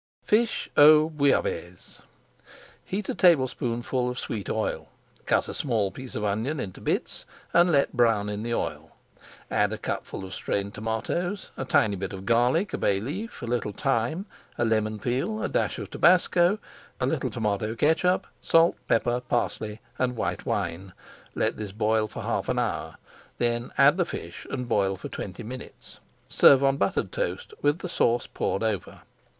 FISH AUX BOUILLABAISSE Heat a tablespoonful of sweet oil, cut a small piece of onion into bits, and let brown in the oil, add a cupful of strained tomatoes, a tiny bit of garlic, a bay leaf, a little thyme, a lemon peel, a dash of tabasco, a little tomato catsup, salt, pepper, parsley, and white wine; let this boil for half an hour, then add the fish and boil for twenty minutes. Serve on buttered toast with the sauce poured over.